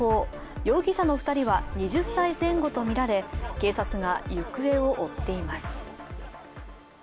容疑者の２人は２０歳前後とみられ警察が行方を追っています。